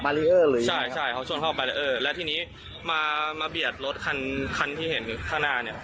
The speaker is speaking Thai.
รีเออร์เลยใช่ใช่เขาชนเข้าไปแล้วเออแล้วทีนี้มามาเบียดรถคันคันที่เห็นข้างหน้าเนี้ย